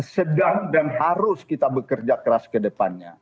sedang dan harus kita bekerja keras ke depannya